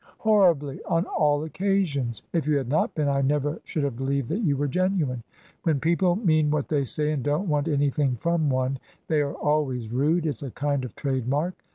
"Horribly, on all occasions. If you had not been, I never should have believed that you were genuine. When people mean what they say, and don't want anything from one, they are always rude; it's a kind of trademark.